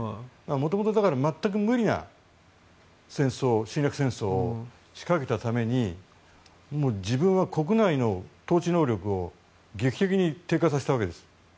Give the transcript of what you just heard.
もともと全く無理な侵略戦争を仕掛けたために自分は国内の統治能力を劇的に低下させたわけです。